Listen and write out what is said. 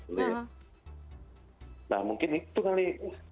nah mungkin itu kali